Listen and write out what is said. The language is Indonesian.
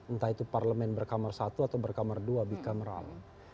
entah itu parlement berkamar satu atau berkamar dua bicameral